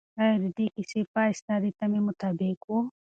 آیا د دې کیسې پای ستا د تمې مطابق و؟